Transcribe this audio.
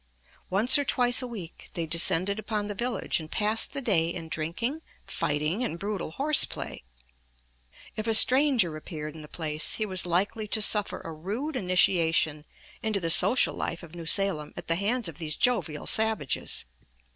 Once or twice a week they descended upon the village and passed the day in drinking, fighting, and brutal horse play. If a stranger appeared in the place, he was likely to suffer a rude initiation into the social life of New Salem at the hands of these jovial savages.